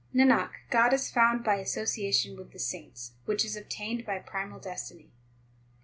Nanak, God is found by association with the saints, Which is obtained by primal destiny.